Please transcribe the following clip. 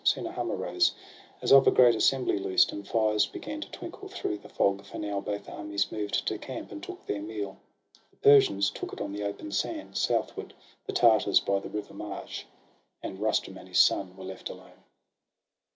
Soon a hum arose, As of a great assembly loosed, and fires Began to twinkle through the fog; for now Both armies moved to camp, and took their meal; The Persians took it on the open sands Southward, the Tartars by the river marge; And Rustum and his son were left alone.